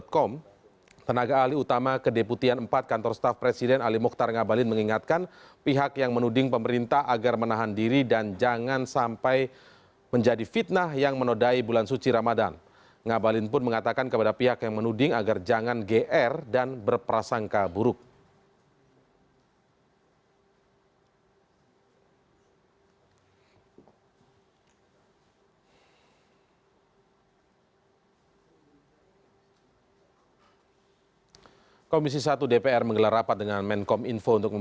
karena ketakutan dan kekhawatiran yang berlebih maka muncul penghapusan itu